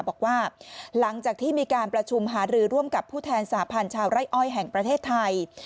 บอกว่าหลังจากที่มีการประชุมหารือร่วมกับผู้แทนสาพันธ์ชาวไร่อ้อยแห่งประเทศไทย